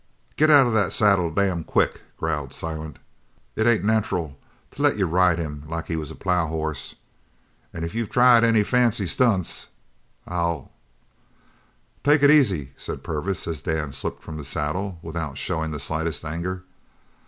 "Git out of the saddle damn quick," growled Silent. "It ain't nacheral he'd let you ride him like he was a plough hoss. An' if you've tried any fancy stunts, I'll " "Take it easy," said Purvis as Dan slipped from the saddle without showing the slightest anger.